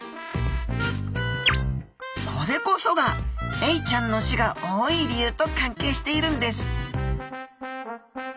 これこそがエイちゃんの種が多い理由と関係しているんです！